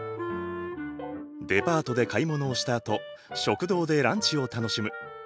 デパートで買い物をしたあと食堂でランチを楽しむ。